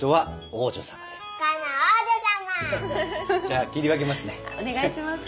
お願いします。